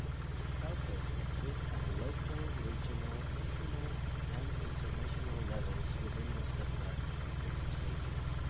Helpers exist at the local, regional, national, and international levels within the Subud organization.